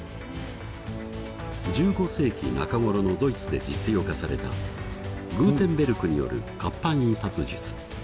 １５世紀中頃のドイツで実用化されたグーテンベルクによる活版印刷術。